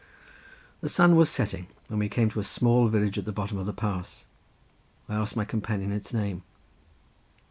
The sun was setting when we came to a small village at the bottom of the pass. I asked my companion its name.